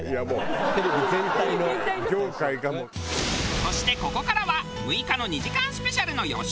そしてここからは６日の２時間スペシャルの予習！